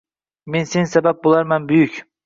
Men sen sabab boʼlarman buyuk?